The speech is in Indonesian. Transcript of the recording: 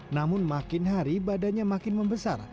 namun makin hari badannya makin membesar